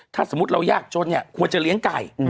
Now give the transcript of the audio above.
ถ้าสมมุติเรายากจนเนี่ยควรจะเลี้ยงไก่